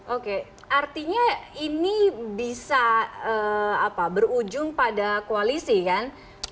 oke artinya ini bisa berujung pada koalisi kan